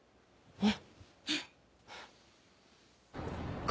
えっ？